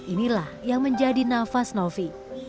inilah yang menjadi nafas novi